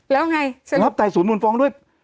แล้วไงรับไต่สวนมูลฟ้องด้วย